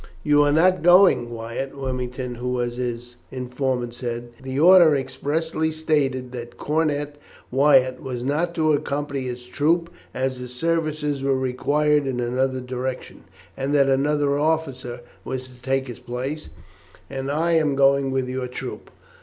"You are not going, Wyatt," Wilmington, who was his informant, said. "The order expressly stated that Cornet Wyatt was not to accompany his troop, as his services were required in another direction, and that another officer was to take his place, and I am going with your troop.